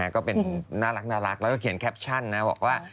ก็เป็นน่ารักแล้วก็เขียนแคปชั่นนะบอกว่า